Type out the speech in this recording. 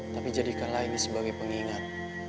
tapi jadikanlah ini sebagai pengingat